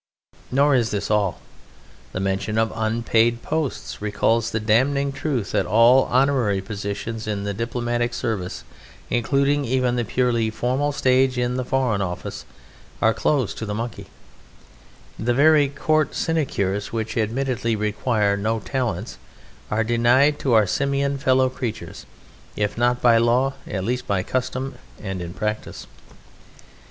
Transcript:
Nor is this all. The mention of unpaid posts recalls the damning truth that all honorary positions in the Diplomatic Service, including even the purely formal stage in the Foreign Office, are closed to the Monkey; the very Court sinecures, which admittedly require no talents, are denied to our Simian fellow creatures, if not by law at least by custom and in practice.